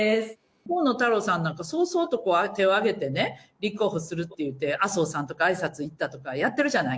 河野太郎さんなんか、早々と手を挙げて、立候補するって言って、麻生さんとかあいさつに行ったとかやってるじゃない。